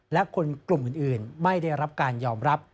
และคนกลุ่มอื่นไม่ได้รับการยอมรับ